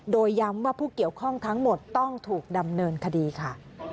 โดยย้ำว่าผู้เกี่ยวข้องทั้งหมดต้องถูกดำเนินคดีค่ะ